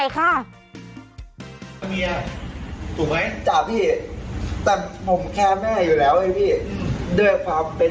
ค่ะเมียถูกไหมจ้ะพี่แต่ผมแคร์แม่อยู่แล้วไงพี่ด้วยความเป็น